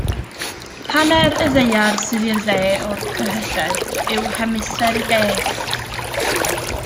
Hanner y Ddaear sydd i'r de o'r cyhydedd yw Hemisffer y De.